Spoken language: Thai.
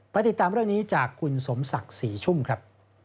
ติดตามเรื่องนี้จากคุณสมศักดิ์ศรีชุ่มครับ